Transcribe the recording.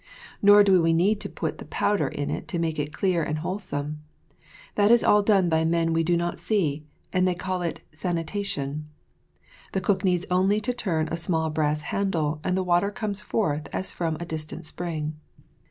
Nor do we need to put the powder in it to make it clear and wholesome. That is all done by men we do not see, and they call it "sanitation." The cook needs only to turn a small brass handle, and the water comes forth as from a distant spring.